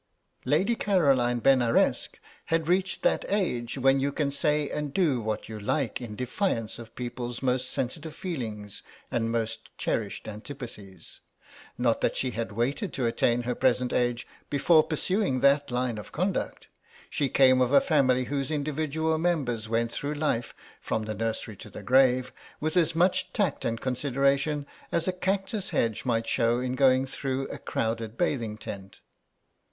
Lady Caroline Benaresq had reached that age when you can say and do what you like in defiance of people's most sensitive feelings and most cherished antipathies. Not that she had waited to attain her present age before pursuing that line of conduct; she came of a family whose individual members went through life, from the nursery to the grave, with as much tact and consideration as a cactus hedge might show in going through a crowded bathing tent.